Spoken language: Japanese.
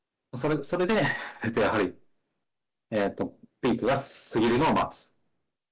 それでやはりピークが過ぎるのを待つ。